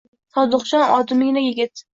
Sodiqjon odmigina yigit.